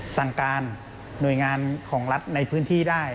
สั่งการหน่วยงานของรัฐในพื้นที่ได้